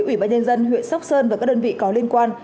ubnd tp hà nội huyện sóc sơn và các đơn vị có liên quan